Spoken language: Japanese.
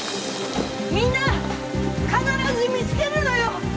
みんな必ず見つけるのよ！